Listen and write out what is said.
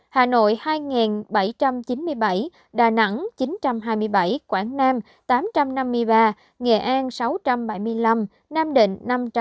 hà nội hai bảy trăm chín mươi bảy đà nẵng chín trăm hai mươi bảy quảng nam tám trăm năm mươi ba nghệ an sáu trăm bảy mươi năm nam định năm trăm tám mươi